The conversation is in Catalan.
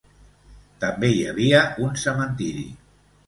També hi havia un cementiri.